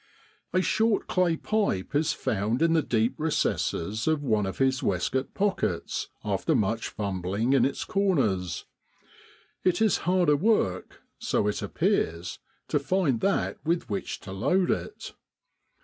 A short clay pipe is found in the deep recesses of one of his waistcoat pockets after much fumbling in its corners. It is harder work so it appears, to find that with which to load it.